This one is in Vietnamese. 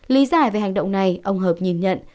lý giải về hành động này ông hợp nhìn nhận